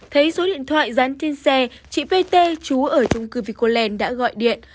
thấy số điện thoại dán trên xe chị pt chú ở trung cư vicoland đã gọi điện